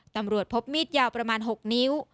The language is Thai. ตำรวจพบมีดยาวประมาณ๖นิ้ว